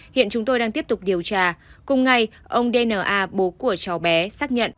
hiện chúng tôi đang tiếp tục điều tra cùng ngày ông dna bố của cháu bé xác nhận